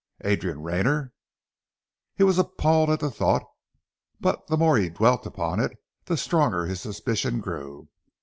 "Adrian Rayner!" He was appalled at the thought, but the more he dwelt upon it, the stronger his suspicion grew.